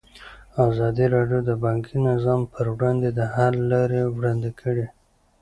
ازادي راډیو د بانکي نظام پر وړاندې د حل لارې وړاندې کړي.